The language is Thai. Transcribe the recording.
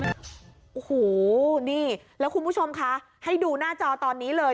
โอ้โหนี่แล้วคุณผู้ชมคะให้ดูหน้าจอตอนนี้เลย